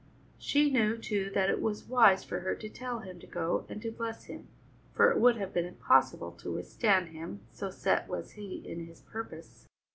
She knew, too, that it was wise for her to tell him to go and to bless him, for it would have been impossible to withstand him, so set was he in his purpose.